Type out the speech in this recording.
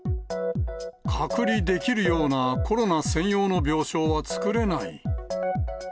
隔離できるようなコロナ専用の病床は作れない。